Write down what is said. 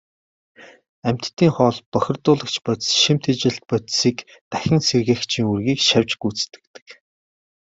Амьтдын хоол, бохирдуулагч бодис, шим тэжээлт бодисыг дахин сэргээгчийн үүргийг шавж гүйцэтгэдэг.